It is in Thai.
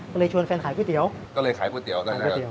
ก็เลยชวนแฟนขายก๋วยเตี๋ยวก็เลยขายก๋วยเตี๋ยวได้ก๋ว